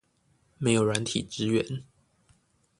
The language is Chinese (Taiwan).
沒有軟體支援